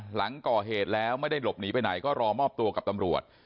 หลังก่อเหตุแล้วไม่ได้หลบหนีไปไหนก็รอมอบตัวกับตำรวจ